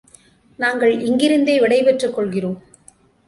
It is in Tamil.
நாங்கள் இங்கிருந்தே விடை பெற்றுக் கொள்கிறோம்.